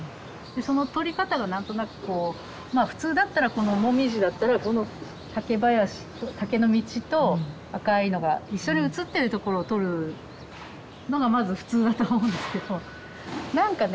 その撮り方が何となくこうまあ普通だったらこの紅葉だったらこの竹林竹の道と赤いのが一緒に写ってるところを撮るのがまず普通だと思うんですけどなんかね